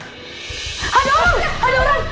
ada orang ada orang ada orang